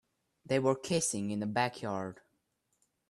They were kissing in the backyard.